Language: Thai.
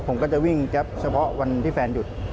ผมก็จะวิ่งแจ๊บเฉพาะวันที่แฟนหยุด